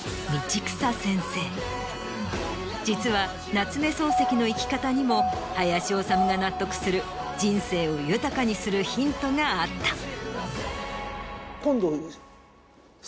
実は夏目漱石の生き方にも林修が納得する人生を豊かにするヒントがあった。